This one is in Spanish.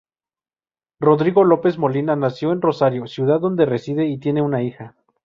Rodrigo López Molina nació en Rosario, ciudad donde reside y tiene una hija.